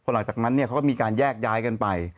หลังจากนั้นเขาก็มีการแยกย้ายกันไป